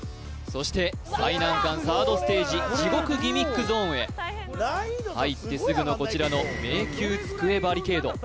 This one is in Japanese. そして最難関サードステージ地獄ギミックゾーンへ入ってすぐのこちらの迷宮机バリケード